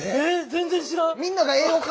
全然知らん！